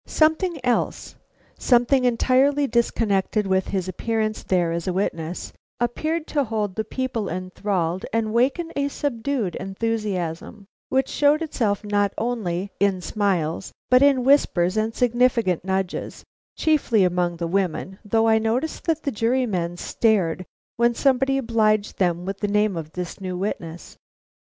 Something else, something entirely disconnected with his appearance there as a witness, appeared to hold the people enthralled and waken a subdued enthusiasm which showed itself not only in smiles, but in whispers and significant nudges, chiefly among the women, though I noticed that the jurymen stared when somebody obliged them with the name of this new witness.